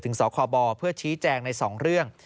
ถึงสอคอบอเพื่อชี้แจงใน๒เรื่อง